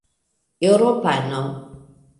eŭropano